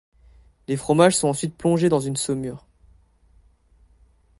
Les fromages sont ensuite plongés dans une saumure.